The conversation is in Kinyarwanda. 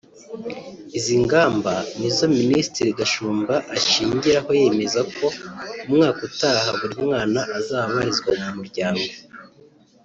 Izi ngamba nizo Minisitiri Gashumba ashingiraho yemeza ko umwaka utaha buri mwana azaba abarizwa mu muryango